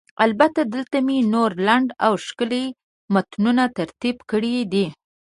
البته، دلته مې نور لنډ او ښکلي متنونه ترتیب کړي دي: